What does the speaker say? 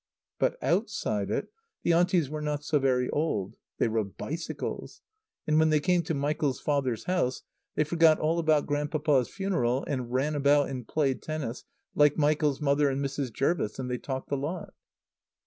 But outside it the Aunties were not so very old. They rode bicycles. And when they came to Michael's Father's house they forgot all about Grandpapa's funeral and ran about and played tennis like Michael's mother and Mrs. Jervis, and they talked a lot.